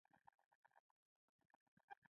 کله به ښه وه او کله به بې حاله وه